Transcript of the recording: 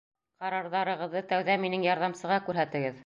Ҡарарҙарығыҙҙы тәүҙә минең ярҙамсыға күрһәтегеҙ!